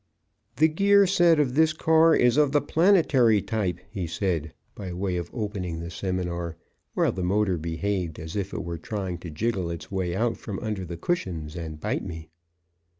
"The gear set of this car is of the planetary type," he said, by way of opening the seminar, while the motor behaved as if it were trying to jiggle its way out from under the cushions and bite me.